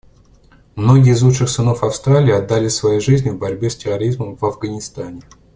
Многие из лучших сынов Австралии отдали свои жизни в борьбе с терроризмом в Афганистане.